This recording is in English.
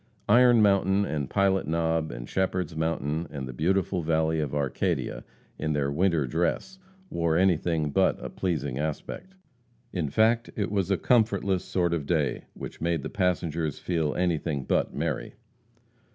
Iron Mountain, and Pilot Knob, and Shepherd's Mountain, and the beautiful valley of Arcadia, in their winter dress, wore anything but a pleasing aspect. In fact, it was a comfortless sort of day, which made the passengers feel anything but merry.